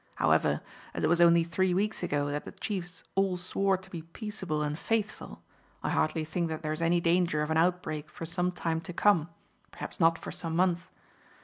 However, as it was only three weeks ago that the chiefs all swore to be peaceable and faithful, I hardly think that there's any danger of an outbreak for some time to come, perhaps not for some months.